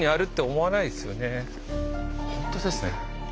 本当ですね。